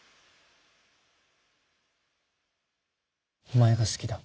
お前が好きだ